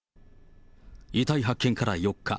遺体発見から４日。